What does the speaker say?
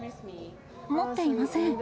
持っていません。